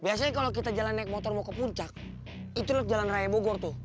biasanya kalau kita jalan naik motor mau ke puncak itu jalan raya bogor tuh